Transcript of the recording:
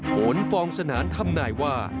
ผลฟองสนานทำหน่ายว่า